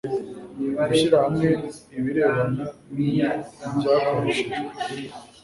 gushyira hamwe ibirebana n ibyakoreshejwe